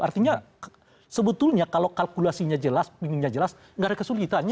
artinya sebetulnya kalau kalkulasinya jelas minumnya jelas gak ada kesulitannya